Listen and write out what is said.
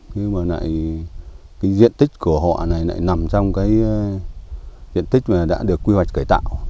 nhưng mà lại cái diện tích của họ này lại nằm trong cái diện tích mà đã được quy hoạch cải tạo